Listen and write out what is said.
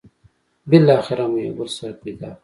بالاخره مو یو بل سره پيدا کړل.